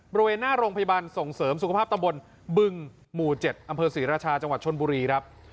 บริเวณหน้าโรงพยาบาลส่งเสริมสุขภาพตำบลบึงหมู่๗อำเภอศรีราชาจังหวัดชนบุรีครับ